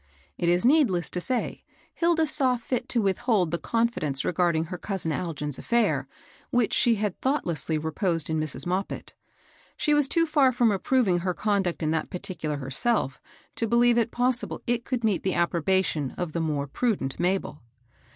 It is needless to say, Hilda saw fit to withhold the confidence regarding her cousin Algin's afiair, which she had thoughtlessly reposed in Mrs. Mop pit. She was too &r &om approving her conduct in that particular herself to beUeve it possible it could meet the approbation of the more prudent Mabel.